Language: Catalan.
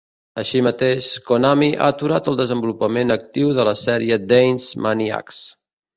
Així mateix, Konami ha aturat el desenvolupament actiu de la sèrie Dance Maniax.